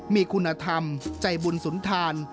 มีคุณธรรมใจบุญสุนทาน